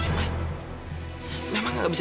memang gak bisa nanti aja kita bahas ya